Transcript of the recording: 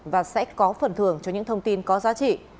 và sẽ có phần thưởng cho những thông tin có giá trị